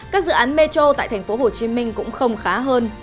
các dự án metro tại tp hcm cũng không khá hơn